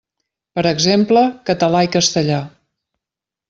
Per exemple, català i castellà.